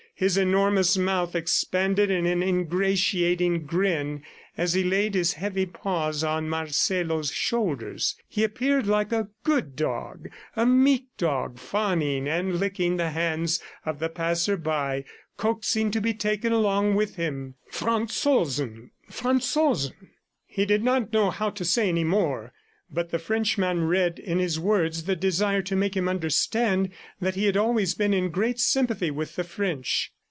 His enormous mouth expanded in an ingratiating grin as he laid his heavy paws on Marcelo's shoulders. He appeared like a good dog, a meek dog, fawning and licking the hands of the passer by, coaxing to be taken along with him. "Franzosen. ... Franzosen." He did not know how to say any more, but the Frenchman read in his words the desire to make him understand that he had always been in great sympathy with the French.